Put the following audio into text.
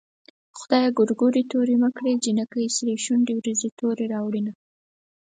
خدايه ګورګورې تورې مه کړې جنکۍ سرې شونډې ورځي تورې راوړينه